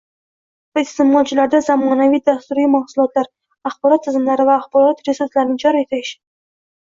va iste'molchilarda zamonaviy dasturiy mahsulotlar, axborot tizimlari va axborot resurslarini joriy etish;